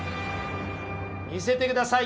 見せてください。